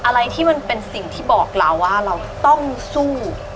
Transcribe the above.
อะไรที่มันเป็นสิ่งที่บอกเราว่าเราต้องสู้